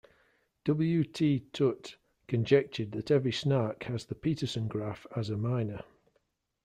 W. T. Tutte conjectured that every snark has the Petersen graph as a minor.